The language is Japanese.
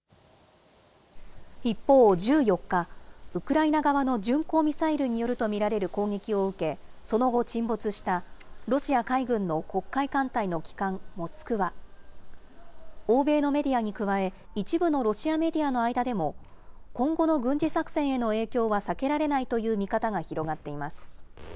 一方、１４日、ウクライナ側の巡航ミサイルによると見られる攻撃を受け、その後沈没した、ロシア海軍の黒海艦隊の旗艦モスクワ。欧米のメディアに加え、一部のロシアメディアの間でも、今後の軍事作戦への影響は避けられないという見方が広がっています。